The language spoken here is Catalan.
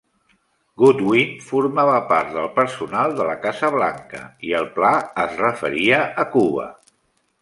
Goodwin formava part del personal de la Casa Blanca, i el pla es referia a Cuba.